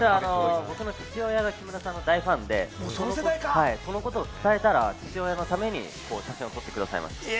父親が木村さんの大ファンで、そのことを伝えたら、父親のために写真を一緒に撮ってくださいました。